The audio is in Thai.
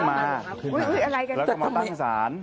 เราขึ้นมาแล้วก็มาตั้งสาร